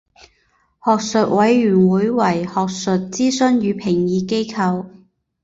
学术委员会为学术咨询与评议机构。